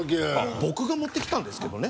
僕が持ってきたんですけどね。